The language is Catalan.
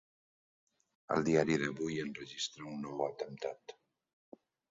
El diari d'avui enregistra un nou atemptat.